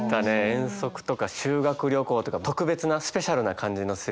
遠足とか修学旅行とか特別なスペシャルな感じのする。